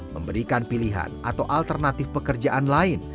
memberikan pilihan atau alternatif pekerjaan lain